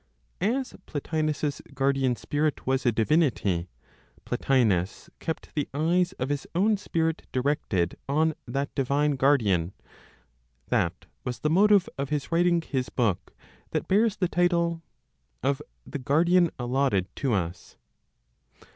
As Plotinos's guardian spirit was a divinity, Plotinos kept the eyes of his own spirit directed on that divine guardian. That was the motive of his writing his book that bears the title "Of the Guardian Allotted to Us."